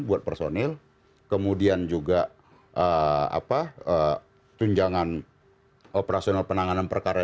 buat personel kemudian juga tunjangan operasional penanganan perkara